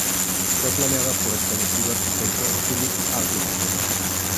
Fue planeada por el conocido arquitecto Philip Hardwick.